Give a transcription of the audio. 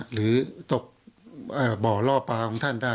หรือตกบ่อล่อปลาของท่านได้